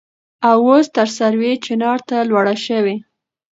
او اوس تر سروې چينار ته لوړه شوې.